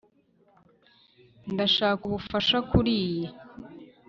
Ndashaka ubufasha kuriyi